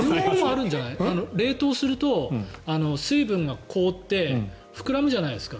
冷凍すると水分が凍って膨らむじゃないですか。